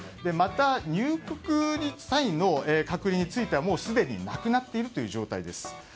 また入国する際の隔離についてはもうすでになくなっているという状態です。